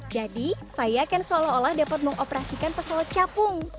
jadi saya akan seolah olah dapat mengoperasikan pesawat capung